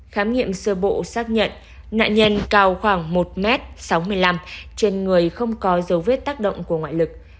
khám nghiệm sơ bộ xác nhận nạn nhân cao khoảng một m sáu mươi năm trên người không có dấu vết tác động của ngoại lực